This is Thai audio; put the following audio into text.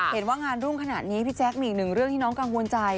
เห็นว่างานรุ่งขนาดนี้พี่แจ๊คมีอีกหนึ่งเรื่องที่น้องกังวลใจ